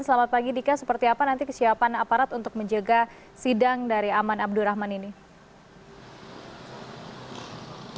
selamat pagi dika seperti apa nanti kesiapan aparat untuk menjaga sidang dari aman abdurrahman ini